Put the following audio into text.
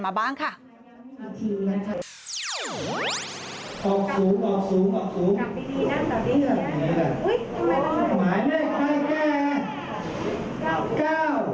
๙๖๗นะคะยังไม่มีทีนะคะ